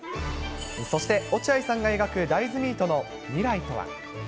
そして落合さんが描く大豆ミートの未来とは。